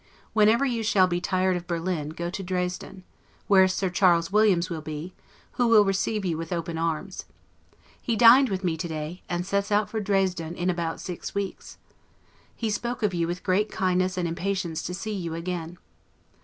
Whenever you shall be tired of Berlin, go to Dresden; where Sir Charles Williams will be, who will receive you with open arms. He dined with me to day, and sets out for Dresden in about six weeks. He spoke of you with great kindness and impatience to see you again.